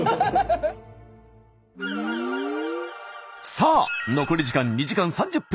さあ残り時間２時間３０分。